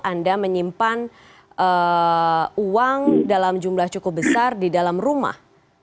anda menyimpan uang dalam jumlah cukup besar di dalam rumah